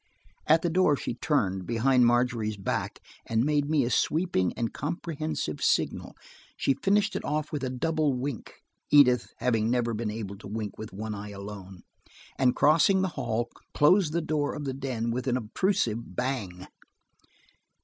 At the door she turned, behind Margery's back, and made me a sweeping and comprehensive signal. She finished it off with a double wink, Edith having never been able to wink with one eye alone, and crossing the hall, closed the door of the den with an obtrusive bang.